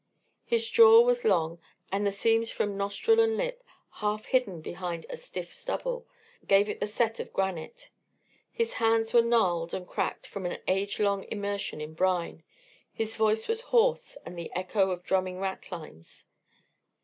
His jaw was long, and the seams from nostril and lip, half hidden behind a stiff stubble, gave it the set of granite. His hands were gnarled and cracked from an age long immersion in brine, his voice was hoarse with the echo of drumming ratlines.